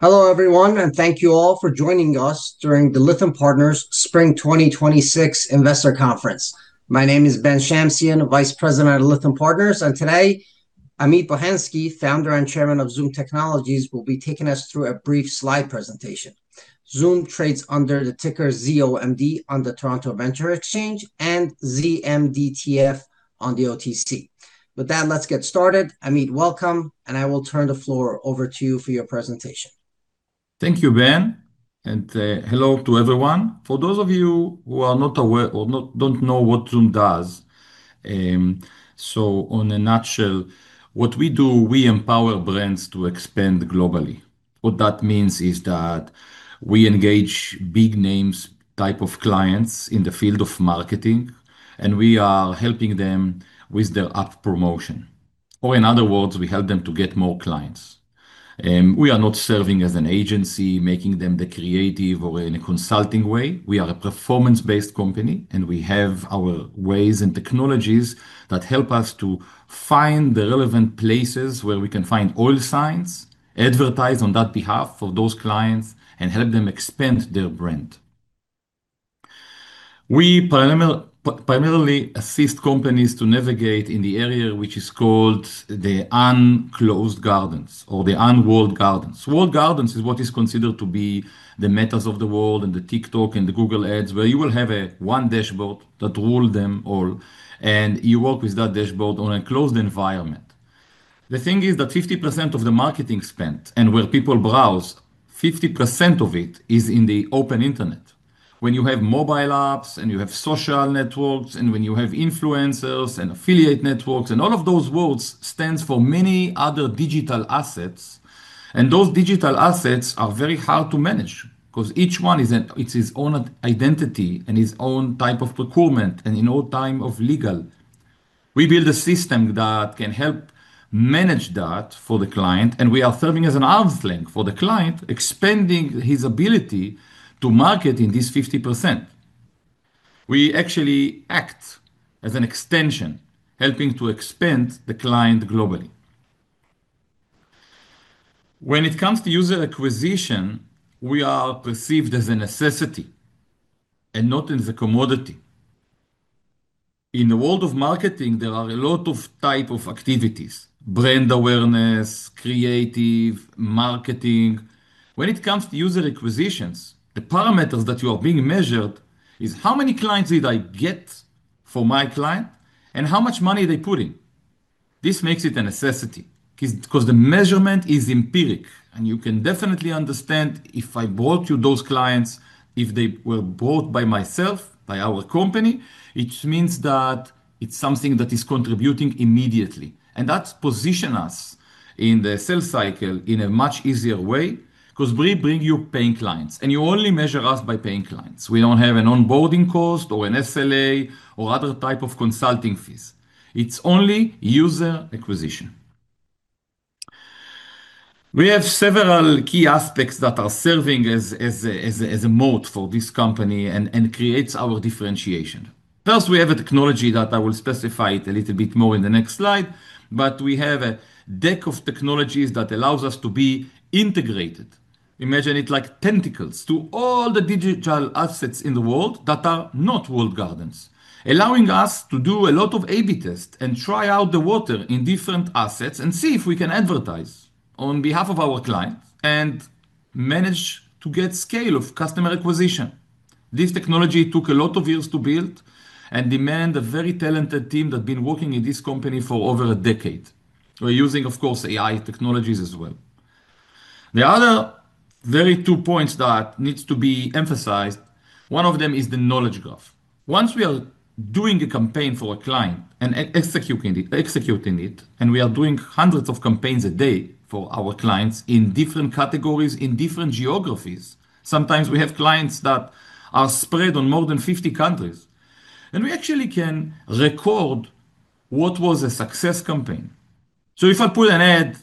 Hello, everyone, thank you all for joining us during the Lytham Partners Spring 2026 Investor Conference. My name is Ben Shamsian, Vice President of Lytham Partners. Today, Amit Bohensky, Founder and Chairman of Zoomd Technologies, will be taking us through a brief slide presentation. Zoomd trades under the ticker ZOMD on the TSX Venture Exchange and ZMDTF on the OTC. With that, let's get started. Amit, welcome, and I will turn the floor over to you for your presentation. Thank you, Ben, and hello to everyone. For those of you who are not aware or don't know what Zoomd does, in a nutshell, what we do we empower brands to expand globally. What that means is that we engage big names, types of clients in the field of marketing, and we are helping them with their app promotion. In other words, we help them to get more clients. We are not serving as an agency, making them the creative, or in a consulting way. We are a performance-based company, and we have our ways and technologies that help us to find the relevant places where we can find audiences, advertise on that behalf of those clients, and help them expand their brand. We primarily assist companies to navigate in the area which is called the unclosed gardens or the unwalled gardens. Unwalled gardens is what is considered to be the Metas of the world, and the TikTok and the Google Ads, where you will have one dashboard that rules them all, and you work with that dashboard on a closed environment. The thing is that 50% of the marketing spent and where people browse, 50% of it is in the open internet. When you have mobile apps, and you have social networks, and when you have influencers and affiliate networks, and all of those worlds stand for many other digital assets, and those digital assets are very hard to manage, because each one it's its own identity and its own type of procurement, and in all time of legal. We build a system that can help manage that for the client, and we are serving as an arm's length for the client, expanding his ability to market in this 50%. We actually act as an extension, helping to expand the client globally. When it comes to user acquisition, we are perceived as a necessity and not as a commodity. In the world of marketing, there are a lot of types of activities, brand awareness, creative, marketing. When it comes to user acquisitions, the parameters that you are being measured is how many clients did I get for my client, and how much money they put in. This makes it a necessity, because the measurement is empiric, and you can definitely understand if I brought you those clients, if they were brought by myself, by our company, it means that it's something that is contributing immediately. That positions us in the sales cycle in a much easier way because we bring you paying clients, and you only measure us by paying clients. We don't have an onboarding cost, or an SLA, or other type of consulting fees. It's only user acquisition. We have several key aspects that are serving as a moat for this company and create our differentiation. First, we have a technology that I will specify it a little bit more in the next slide, but we have a deck of technologies that allows us to be integrated. Imagine it like tentacles to all the digital assets in the world that are not walled gardens, allowing us to do a lot of A/B tests and try out the water in different assets, and see if we can advertise on behalf of our client and manage to get scale of customer acquisition. This technology took a lot of years to build and demand a very talented team that been working in this company for over a decade. We're using, of course, AI technologies as well. The other very two points that need to be emphasized one of them is the knowledge graph. Once we are doing a campaign for a client and executing it, and we are doing hundreds of campaigns a day for our clients in different categories, in different geographies. Sometimes we have clients that are spread on more than 50 countries, and we actually can record what was a success campaign. If I put an ad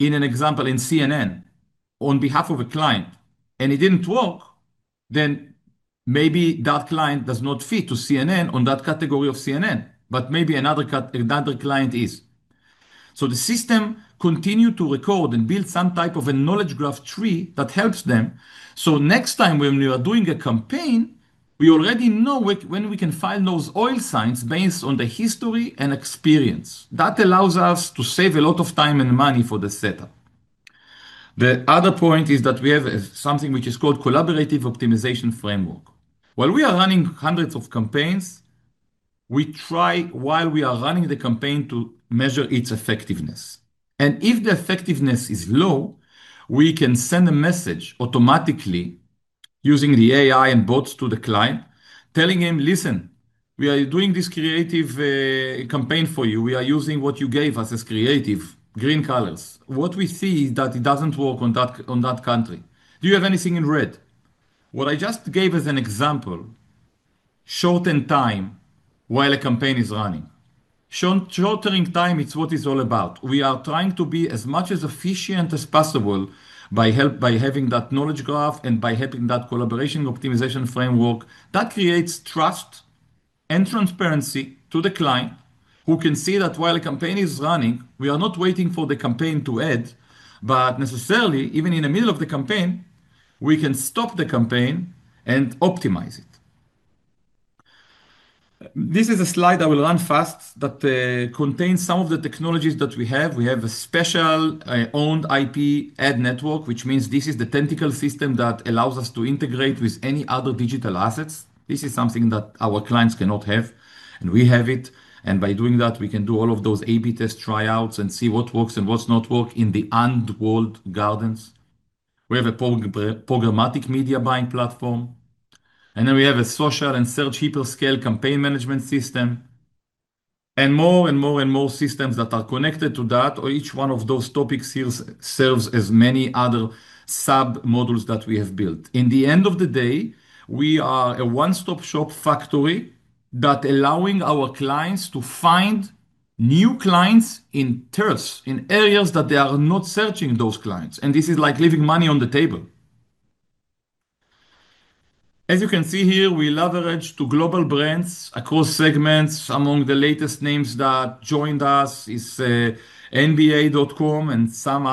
in an example in CNN, on behalf of a client, and it didn't work, then maybe that client does not fit to CNN on that category of CNN, but maybe another client is. The system continues to record and build some type of a knowledge graph tree that helps them, so next time when we are doing a campaign, we already know when we can find those hot spots based on the history and experience. That allows us to save a lot of time and money for the setup. The other point is that we have something which is called collaborative optimization framework. While we are running hundreds of campaigns, we try while we are running the campaign to measure its effectiveness. If the effectiveness is low, we can send a message automatically using the AI and bots to the client, telling him, "Listen, we are doing this creative campaign for you. We are using what you gave us as creative, green colors. What we see is that it doesn't work on that country. Do you have anything in red? What I just gave as an example, shortens time while a campaign is running. Shortening time, it's what it's all about. We are trying to be as much as efficient as possible by having that knowledge graph and by having that collaborative optimization framework. That creates trust and transparency to the client, who can see that while a campaign is running, we are not waiting for the campaign to end, but necessarily, even in the middle of the campaign, we can stop the campaign and optimize it. This is a slide one will run fast that contains some of the technologies that we have. We have a special owned IP ad network, which means this is the tentacle system that allows us to integrate with any other digital assets. This is something that our clients cannot have, and we have it. By doing that, we can do all of those A/B test tryouts and see what works and what's not work in the unwalled gardens. We have a programmatic media buying platform, then we have a social and search hyperscale campaign management system, and more and more and more systems that are connected to that, or each one of those topics serves as many other sub-modules that we have built. In the end of the day, we are a one-stop-shop factory that allows our clients to find new clients in [turns] in areas that they are not searching those clients. This is like leaving money on the table. As you can see here, we leverage to global brands across segments. Among the latest names that joined us is NBA.com and some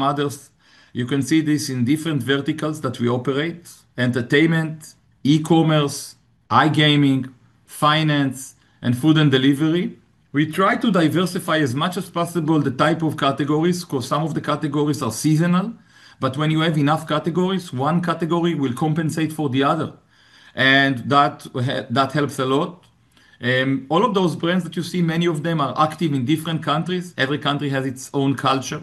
others. You can see this in different verticals that we operate, entertainment, e-commerce, iGaming, finance, and food and delivery. We try to diversify as much as possible the types of categories, because some of the categories are seasonal. When you have enough categories, one category will compensate for the other. That helps a lot. All of those brands that you see, many of them are active in different countries. Every country has its own culture.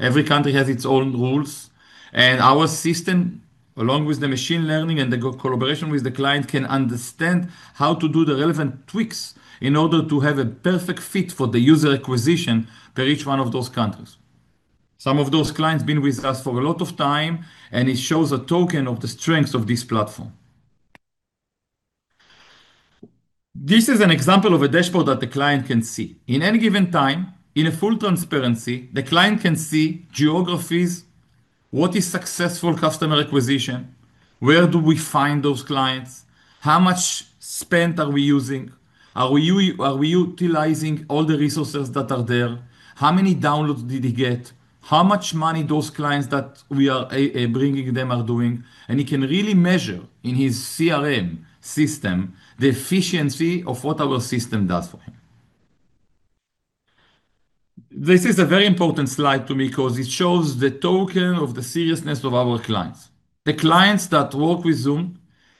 Every country has its own rules. Our system, along with the machine learning and the collaboration with the client, can understand how to do the relevant tweaks in order to have a perfect fit for the user acquisition per each one of those countries. Some of those clients have been with us for a lot of time, and it shows a token of the strength of this platform. This is an example of a dashboard that the client can see. In any given time, in a full transparency, the client can see geographies, what is successful customer acquisition, where do we find those clients, how much spend are we using, are we utilizing all the resources that are there, how many downloads did he get, how much money those clients that we are bringing them are doing, and he can really measure in his CRM system the efficiency of what our system does for him. This is a very important slide to me because it shows the token of the seriousness of our clients. The clients that work with Zoomd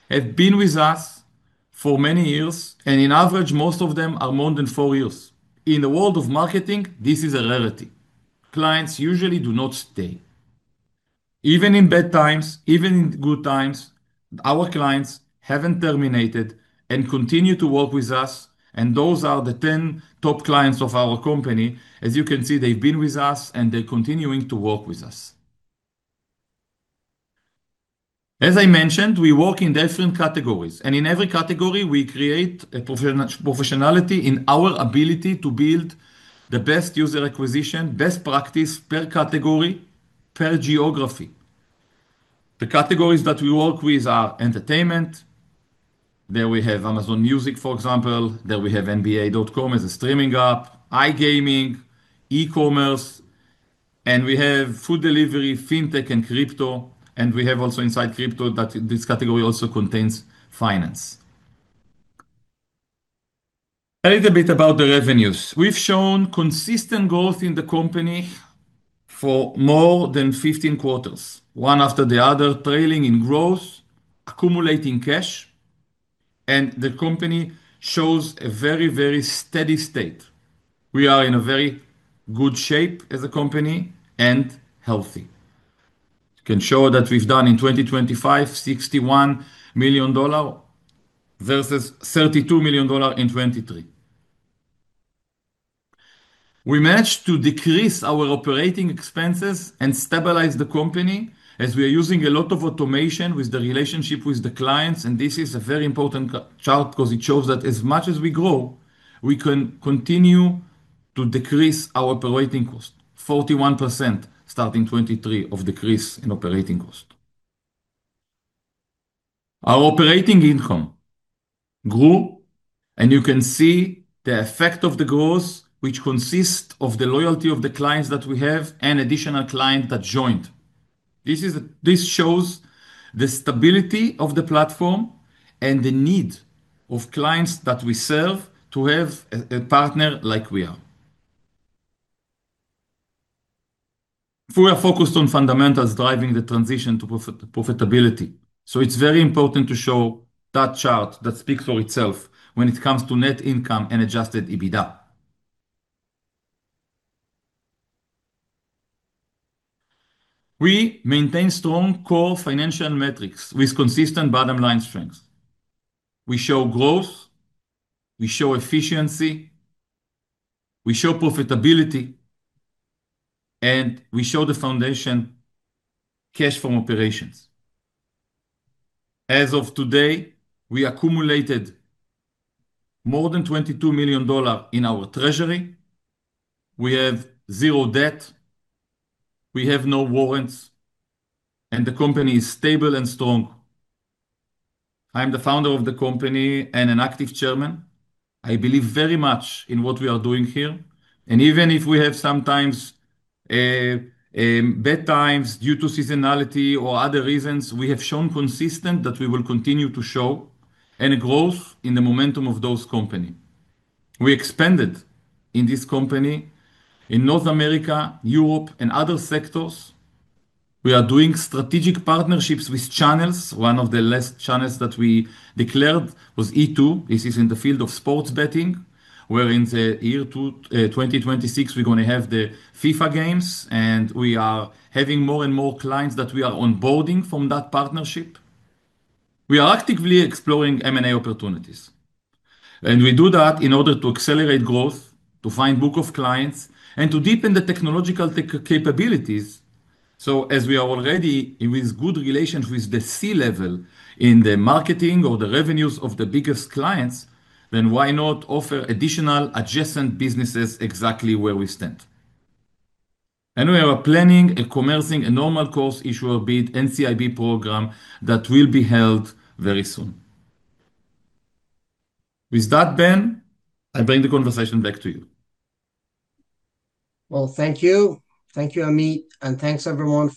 have been with us for many years, and on average, most of them are more than four years. In the world of marketing, this is a rarity. Clients usually do not stay. Even in bad times, even in good times, our clients haven't terminated and continue to work with us; those are the top 10 clients of our company. As you can see, they've been with us and they're continuing to work with us. As I mentioned, we work in different categories, and in every category, we create a professionality in our ability to build the best user acquisition, best practices per category, per geography. The categories that we work with are entertainment. There we have Amazon Music, for example, there we have NBA.com as a streaming app, iGaming, e-commerce, and we have food delivery, fintech, and crypto. We have also inside crypto, that this category also contains finance. A little bit about the revenues. We've shown consistent growth in the company for more than 15 quarters, one after the other, trailing in growth, accumulating cash. The company shows a very, very steady state. We are in a very good shape as a company and healthy. Can show that we've done in 2025, $61 million versus $32 million in 2023. We managed to decrease our operating expenses and stabilize the company as we are using a lot of automation with the relationship with the clients. This is a very important chart because it shows that as much as we grow, we can continue to decrease our operating costs. 41%, starting in 2023, of a decrease in operating costs. Our operating income grew. You can see the effect of the growth, which consists of the loyalty of the clients that we have and additional clients that joined. This shows the stability of the platform and the need of clients that we serve to have a partner like we are. We are focused on fundamentals, driving the transition to profitability. It's very important to show that chart that speaks for itself when it comes to net income and adjusted EBITDA. We maintain strong core financial metrics with consistent bottom-line strength. We show growth, we show efficiency, we show profitability, and we show the foundation cash from operations. As of today, we have accumulated more than $22 million in our treasury. We have zero debt. We have no warrants. The company is stable and strong. I'm the Founder of the company and an active Chairman. I believe very much in what we are doing here, and even if we have sometimes bad times due to seasonality or other reasons, we have shown consistently that we will continue to show any growth in the momentum of this company. We expanded in this company in North America, Europe, and other sectors. We are doing strategic partnerships with channels. One of the last channels that we declared was E2. This is in the field of sports betting, where in the year 2026, we're going to have the FIFA games, and we are having more and more clients that we are onboarding from that partnership. We are actively exploring M&A opportunities, and we do that in order to accelerate growth, to find a book of clients, and to deepen the technological capabilities. As we are already with good relations with the C-level in the marketing or the revenues of the biggest clients, then why not offer additional adjacent businesses exactly where we stand? We are planning and commencing a normal course issuer bid NCIB program that will be held very soon. With that, Ben, I bring the conversation back to you. Well, thank you. Thank you, Amit. Thanks, everyone.